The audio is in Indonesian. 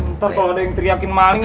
ntar kalau ada yang teriakin maling